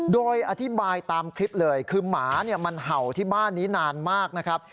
โดยอธิบายตามคลิปเลยคือหมาเนี่ยมันเห่าที่บ้านนี้นานมากนะครับ